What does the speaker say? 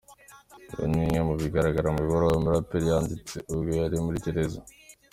Ibi ni bimwe mu bigaragara mu ibaruwa uyu muraperi yanditse ubwo yari muri gereza.